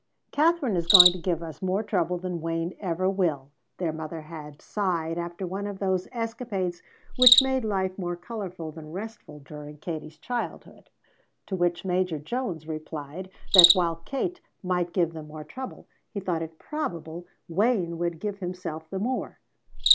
"Katherine is going to give us more trouble than Wayne ever will," their mother had sighed after one of those escapades which made life more colorful than restful during Katie's childhood. To which Major Jones replied that while Kate might give them more trouble, he thought it probable Wayne would give himself the more.